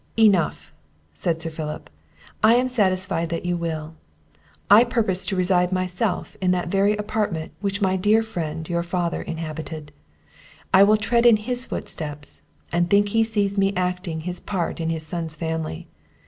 "Enough," said Sir Philip, "I am satisfied that you will. I purpose to reside myself in that very apartment which my dear friend your father inhabited; I will tread in his footsteps, and think he sees me acting his part in his son's family.